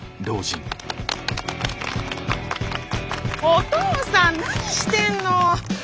お父さん何してんの！